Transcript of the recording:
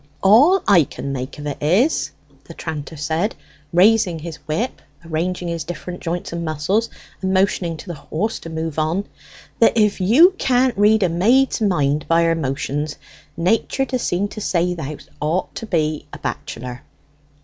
"All I can make of it is," the tranter said, raising his whip, arranging his different joints and muscles, and motioning to the horse to move on, "that if you can't read a maid's mind by her motions, nature d'seem to say thou'st ought to be a bachelor.